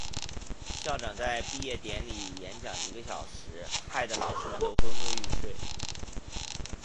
校长在毕业典礼演讲一个小时，害得老师们都昏昏欲睡。